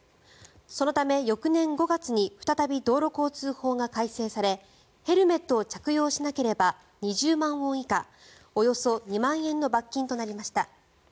そのため、翌年５月に再び道路交通法が改正されヘルメットを着用しなければ２０万ウォン以下およそ２万円の罰金となりました。